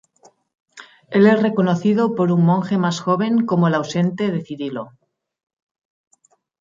Él es reconocido por un monje más joven como el ausente ausente de Cirilo.